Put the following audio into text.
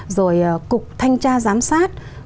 rồi cục thanh tra giám sát